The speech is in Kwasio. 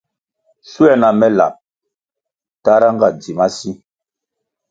Schuer na me lab tahra nga dzi masi.